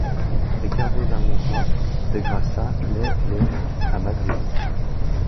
Ricardo Zamora de Grassa nait le à Madrid.